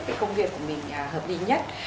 phát xếp cái công việc của mình hợp lý nhất